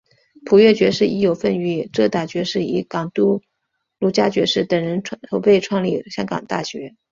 普乐爵士亦有份与遮打爵士及港督卢嘉爵士等人筹备创立香港大学。